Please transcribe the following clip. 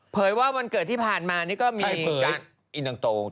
เผยว่าวันเกิดที่ผ่านมานี่ก็มีการไอ้หนังโตแต่งโมสิ